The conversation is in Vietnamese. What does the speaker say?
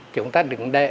chúng ta đứng đây